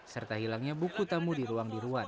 serta hilangnya buku tamu di ruang diruan